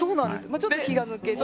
まあちょっと気が抜けて。